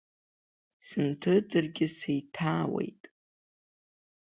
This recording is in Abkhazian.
Сынҭыҵыргьы сеиҭаауеит.